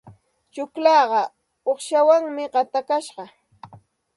Tsullaaqa uuqshawan qatashqam.